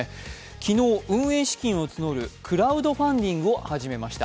昨日、運営資金を募るクラウドファンディングを始めました。